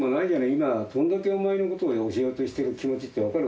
今どんだけお前のこと教えようとしてる気持ち分かる？